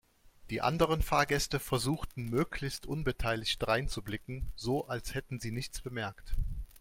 Die anderen Fahrgäste versuchten möglichst unbeteiligt dreinzublicken, so als hätten sie nichts bemerkt.